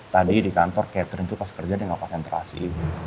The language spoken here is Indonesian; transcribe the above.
tadi di kantor catering itu pas kerja dia nggak konsentrasi